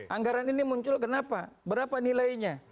anggaran ini muncul kenapa berapa nilainya